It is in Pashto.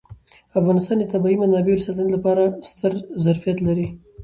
افغانستان د طبیعي منابعو د ساتنې لپاره ستر ظرفیت لري.